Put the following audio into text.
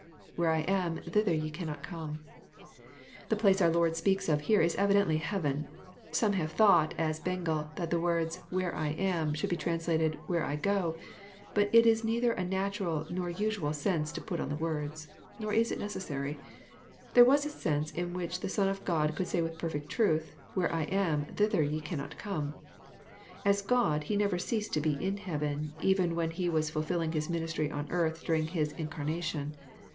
\_Where I am, thither ye cannot come,'] The place our Lord speaks of here is eviclfintly heaven. Somehave thought, as Bengel, that the wordsT^ where I am," should be translated, '* where I go." Bat it is neither a natural nor usual sense to put on the words. Nor is it necessary. There was a sense in which the Son of God could say with perfect truth—" Where I am, thither ye cannot come." As GoU^he never ceased to be in heaven, even wh€nHe was fulfilling His ministry on earth during his incarnation.